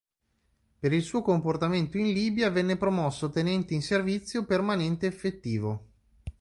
Per il suo comportamento in Libia venne promosso tenente in servizio permanente effettivo.